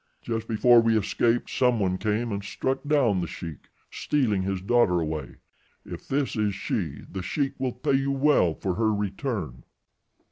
Just before we escaped some one came and struck down The Sheik, stealing his daughter away. If this is she The Sheik will pay you well for her return."